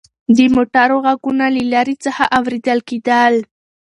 د موټرو غږونه له لرې څخه اورېدل کېدل.